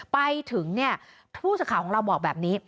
ไปถึงเนี่ยผู้สื่อข่าวของเราบอกแบบนี้